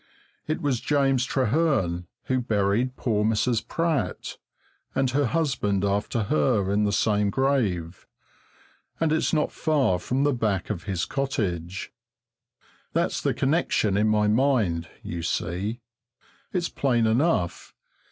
It was James Trehearn who buried poor Mrs. Pratt, and her husband after her in the same grave, and it's not far from the back of his cottage. That's the connection in my mind, you see. It's plain enough.